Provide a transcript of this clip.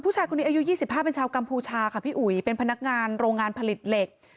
ผู้ชายคนนี้อายุ๒๕เป็นชาวกัมพูชาค่ะพี่อุ๋ยเป็นพนักงานโรงงานผลิตเหล็ก